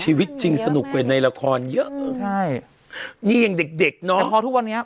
ชีวิตจริงสนุกเกินในละครเยอะใช่นี่ยังเด็กเนอะแต่พอทุกวันนี้